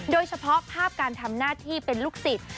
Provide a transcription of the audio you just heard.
โดยเฉพาะภาพการทำหน้าที่เป็นลูกศิษย์